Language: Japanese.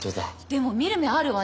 でも見る目あるわね